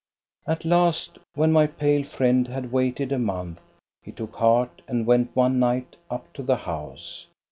At last, when my pale friend had waited a month, he took heart and went one night up to the house.